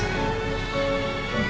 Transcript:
terima kasih mas